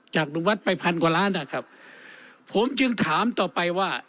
ลุงวัดไปพันกว่าล้านนะครับผมจึงถามต่อไปว่า